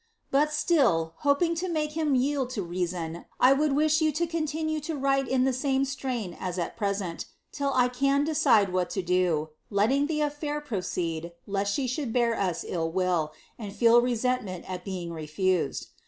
But still, hoping to make him yield to reason, I would vish you to continue to write in the same strain as at present, till 1 can decide what to do ; letting the af&ir proceed, lest she should bear us iil wiliy and feel resentful at being refused.